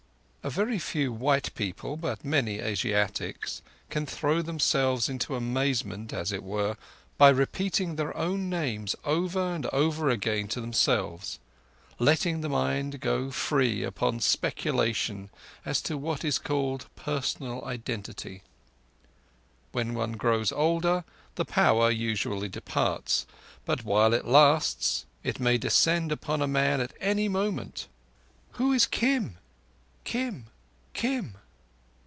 A very few white people, but many Asiatics, can throw themselves into a mazement as it were by repeating their own names over and over again to themselves, letting the mind go free upon speculation as to what is called personal identity. When one grows older, the power, usually, departs, but while it lasts it may descend upon a man at any moment. "Who is Kim—Kim—Kim?"